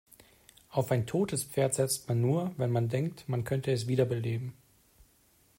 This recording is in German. Auf ein totes Pferd setzt man nur, wenn man denkt, man könne es wiederbeleben.